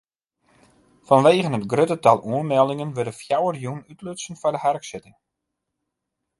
Fanwegen it grutte tal oanmeldingen wurde fjouwer jûnen útlutsen foar de harksitting.